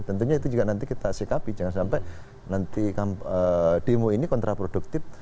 tentunya itu juga nanti kita sikapi jangan sampai nanti demo ini kontraproduktif